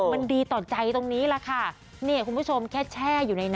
มันดีต่อใจตรงนี้ล่ะค่ะ